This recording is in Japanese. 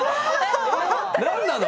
何なの？